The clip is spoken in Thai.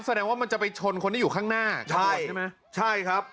แสดงว่ามันจะไปชนคนที่อยู่ข้างหน้าใช่ใช่ไหมใช่ครับ